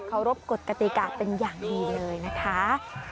รบกฎกติกาเป็นอย่างดีเลยนะคะ